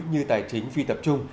như tài chính phi tập trung